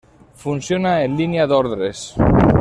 Funciona en línia d'ordres.